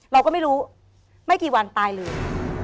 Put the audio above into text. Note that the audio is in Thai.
เราก็ไม่รู้ไม่กี่วันตายเลย